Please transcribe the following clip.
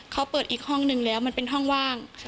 เขาเปิดอีกห้องนึงแล้วมันเป็นห้องว่าง